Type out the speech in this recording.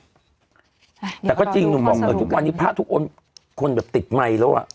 อืมแต่ก็จริงหนูบอกก่อนนี้พระทุกคนคนแบบติดไมค์แล้วอ่ะ